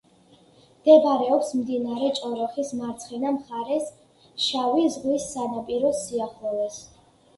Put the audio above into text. მდებარეობს მდინარე ჭოროხის მარცხენა მხარეს, შავი ზღვის სანაპიროს სიახლოვეს.